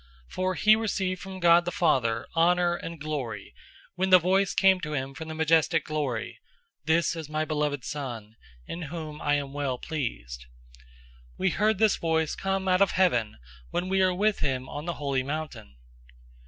001:017 For he received from God the Father honor and glory, when the voice came to him from the Majestic Glory, "This is my beloved Son, in whom I am well pleased."{Matthew 17:5; Mark 9:7; Luke 9:35} 001:018 We heard this voice come out of heaven when we were with him on the holy mountain.